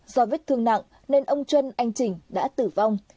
do vết thương nặng nên ông trân anh trình đã tử vong